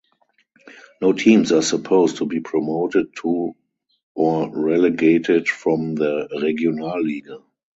No teams are supposed to be promoted to or relegated from the Regionalliga.